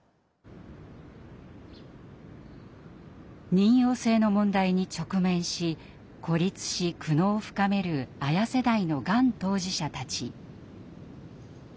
妊よう性の問題に直面し孤立し苦悩を深めるＡＹＡ世代のがん当事者たち。